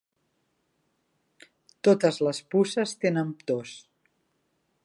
Totes les puces tenen tos.